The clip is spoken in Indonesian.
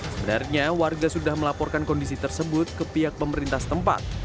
sebenarnya warga sudah melaporkan kondisi tersebut ke pihak pemerintah setempat